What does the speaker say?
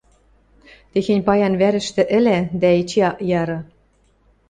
Техень паян вӓрӹштӹ ӹлӓ дӓ, эче ак яры...